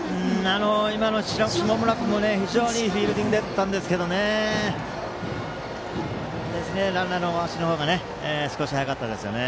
今の下村君も非常にいいフィールディングだったんですがランナーの足の方が少し速かったです。